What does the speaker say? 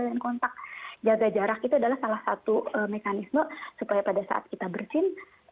dan kontak jaga jarak itu adalah salah satu mekanisme supaya pada saat kita bersin